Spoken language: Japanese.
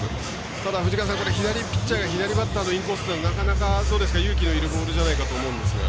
ただ藤川さん、左ピッチャーが左バッターのインコースというのは、なかなか勇気のいるボールじゃないかと思いますけど。